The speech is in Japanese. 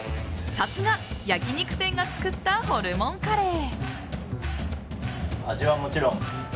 さすが焼き肉店が作ったホルモンカレー。